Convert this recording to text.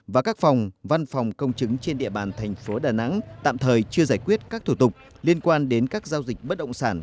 và các phòng văn phòng công chứng trên địa bàn thành phố đà nẵng tạm thời chưa giải quyết các thủ tục liên quan đến các giao dịch bất động sản